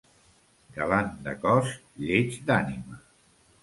Galant de cos, lleig d'ànima.